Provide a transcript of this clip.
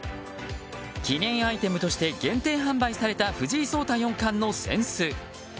記念アイテムとして限定販売された藤井聡太四冠の扇子。